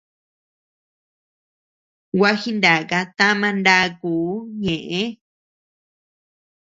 Gua jinaka tama ndakuu ñeʼe.